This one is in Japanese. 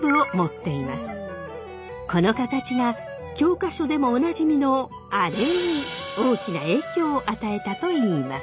この形が教科書でもおなじみのアレに大きな影響を与えたといいます。